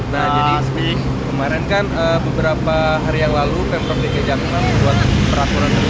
nah kemarin kan beberapa hari yang lalu pemprov dki jakarta membuat peraturan